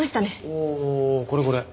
おおこれこれ。